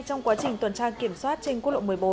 trình tuần tra kiểm soát trên quốc lộ một mươi bốn